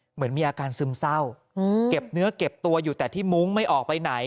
เหมือนมีอาการซึมเศร้าเก็บเนื้อเก็บตัวอยู่แต่ที่มุ้งไม่ออกไปไหน